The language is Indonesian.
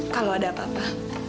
kalau ada apa apa